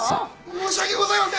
申し訳ございません。